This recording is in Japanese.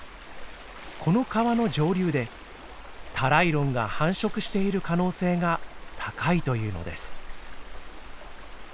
この川の上流でタライロンが繁殖している可能性が高いというのです。